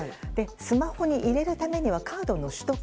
スマホに入れるためにはカードの取得